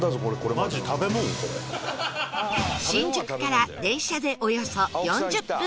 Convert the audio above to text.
新宿から電車でおよそ４０分